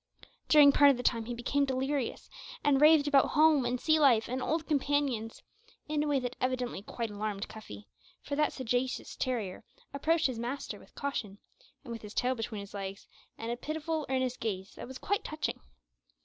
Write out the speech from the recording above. During part of the time he became delirious, and raved about home and sea life and old companions in a way that evidently quite alarmed Cuffy, for that sagacious terrier approached his master with caution, with his tail between his legs, and a pitiful, earnest gaze, that was quite touching.